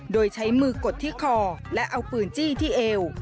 โดยใช้มือกดที่คอและเอาปืนจี้ที่เอว